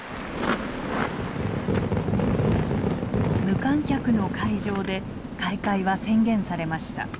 私はここに無観客の会場で開会は宣言されました。